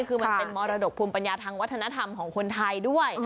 คือมันเป็นมรดกภูมิปัญญาทางวัฒนธรรมของคนไทยด้วย